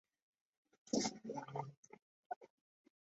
巴黎的桑斯旅馆是桑斯总主教在巴黎的官邸。